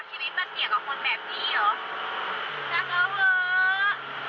อ่อชีวิตมาเสียกับคนแบบนี้หรอจัดการเวอร์